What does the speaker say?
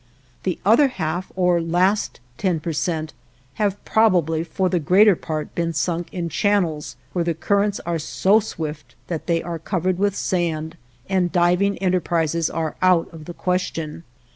The other half or last ten per cent have probably for the greater part been sunk in channels where the currents are so swift that they are covered with sand, and diving enterprises are out of the question.